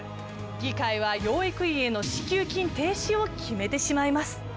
議会は養育院への支給金停止を決めてしまいます。